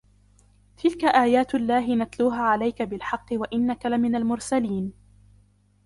تِلْكَ آيَاتُ اللَّهِ نَتْلُوهَا عَلَيْكَ بِالْحَقِّ وَإِنَّكَ لَمِنَ الْمُرْسَلِينَ